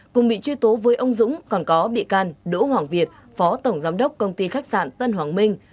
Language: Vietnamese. cùng bị truy tố với ông dũng còn có bị can đỗ hoàng việt phó tổng giám đốc công ty khách sạn tân hoàng minh